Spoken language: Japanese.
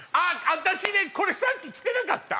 私ねこれさっき着てなかった？